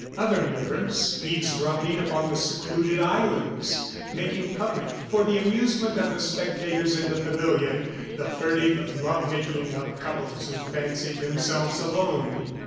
Other mirrors, eavesdropping upon the secluded islands, making public, for the amusement of the spectators in the pavilion, the furtive love making of couples who fancied themselves alone.